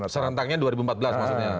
serentaknya dua ribu empat belas maksudnya